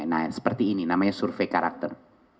nah seperti ini namanya survei karakter